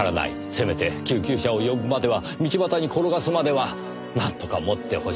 せめて救急車を呼ぶまでは道端に転がすまではなんとかもってほしい。